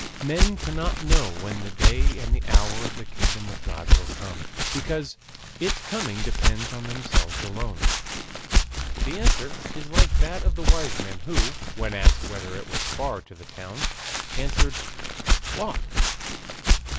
Men cannot know when the day and the hour of the kingdom of God will come, because its coming depends on themselves alone. The answer is like that of the wise man who, when asked whether it was far to the town, answered, "Walk!"